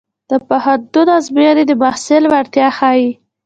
د پوهنتون ازموینې د محصل وړتیا ښيي.